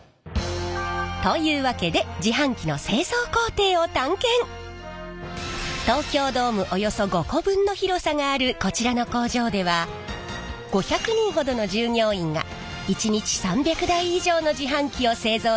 というわけで東京ドームおよそ５個分の広さがあるこちらの工場では５００人ほどの従業員が１日３００台以上の自販機を製造しています。